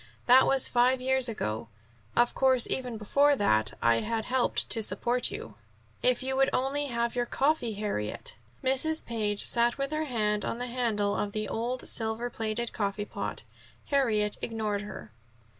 That was five years ago. Of course, even before that I had helped to support you." "If you would only have your coffee, Harriet!" Mrs. Page sat with her hand on the handle of the old silver plated coffee pot. Harriet ignored her.